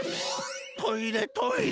トイレトイレ。